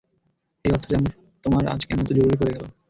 এই অর্থ জানার তোমার আজ কেন এতো জরুরি পরে গেলো?